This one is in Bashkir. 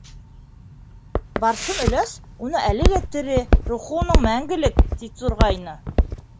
Барсын өләс уны әле лә тере, рухы уның мәңгелек ти торғайны...